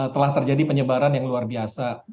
telah terjadi penyebaran yang luar biasa